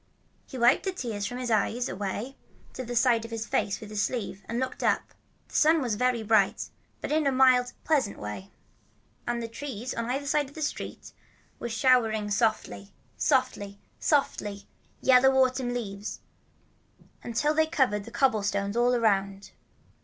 He wiped the tears from his eyes away to the side of his face with his sleeve, and looked about. The sun was very bright, but in a mild, pleasant way. And a tree on the other side of the street was showering softly, softly, softly, yellow autumn leaves, until they covered the cobblestones all around.